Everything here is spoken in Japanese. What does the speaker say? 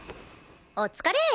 お疲れ。